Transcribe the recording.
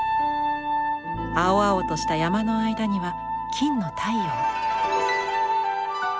青々とした山の間には金の太陽。